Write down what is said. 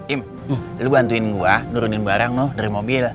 im lo bantuin gua nurunin barang dari mobil